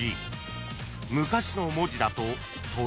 ［昔の文字だと鳥は］